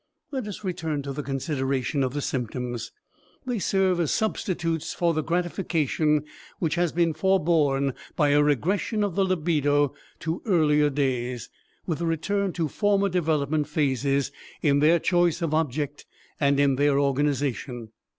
Let us return to the consideration of the symptoms. They serve as substitutes for the gratification which has been forborne, by a regression of the libido to earlier days, with a return to former development phases in their choice of object and in their organization.